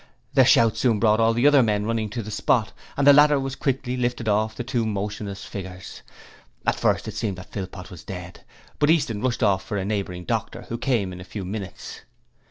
Their shouts soon brought all the other men running to the spot, and the ladder was quickly lifted off the two motionless figures. At first it seemed that Philpot was dead, but Easton rushed off for a neighbouring doctor, who came in a few minutes.